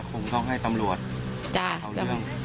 คงต้องให้ตำรวจเอาเรื่อง